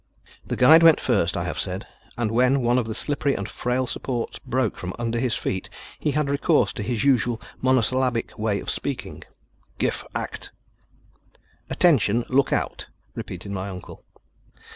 The guide went first, I have said, and when one of the slippery and frail supports broke from under his feet he had recourse to his usual monosyllabic way of speaking. "Gif akt " "Attention look out," repeated my uncle.